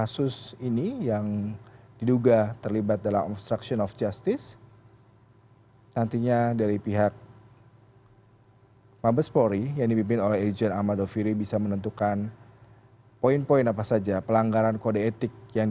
sudah baik saat ini kita saksikan